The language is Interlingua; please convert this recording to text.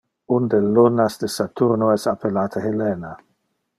Un del lunas de Saturno es appellate Helena.